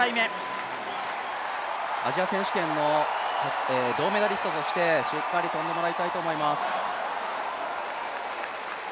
アジア選手権の銅メダリストとしてしっかり跳んでもらいたいと思います。